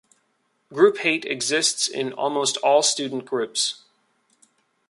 Group hate exists in almost all student groups.